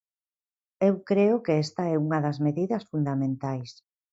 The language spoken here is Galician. Eu creo que esta é unha das medidas fundamentais.